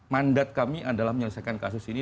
mandat kami adalah menyelesaikan kasus ini